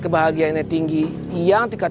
kebahagiaannya tinggi yang tingkat